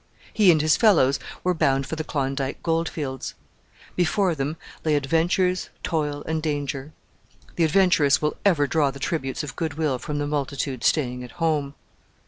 He and his fellows were bound for the Klondike goldfields. Before them lay adventures, toil, and danger; the adventurous will ever draw the tributes of goodwill from the multitude staying at home.